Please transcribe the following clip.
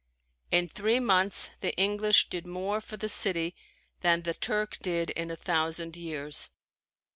In three months the English did more for the city than the Turk did in a thousand years.